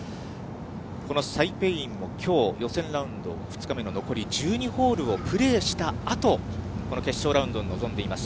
このサイ・ペイインも、きょう、予選ラウンド２日目の残り１２ホールをプレーしたあと、この決勝ラウンドに臨んでいます。